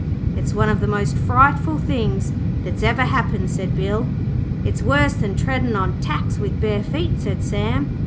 'It's one of the most frightful things that's ever happened,' said Bill. 'It's worse than treading on tacks with bare feet,' said Sam.